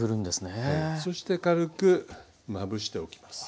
はいそして軽くまぶしておきます。